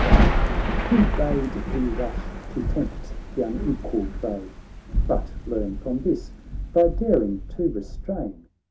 say Who bade thee rush, to tempt th' unequal fray! But learn from this thy daring to restrain.